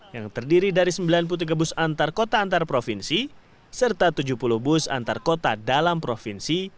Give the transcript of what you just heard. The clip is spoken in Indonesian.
yang terdiri dari sembilan puluh tiga bus antar kota antar provinsi serta tujuh puluh bus antar kota dalam provinsi